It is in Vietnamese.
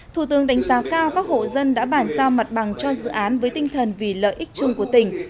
thủ tướng đánh giá cao các hộ dân đã bản giao mặt bằng cho dự án với tinh thần vì lợi ích chung của tỉnh